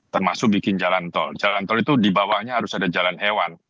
termasuk bikin jalan tol jalan tol itu di bawahnya harus ada jalan hewan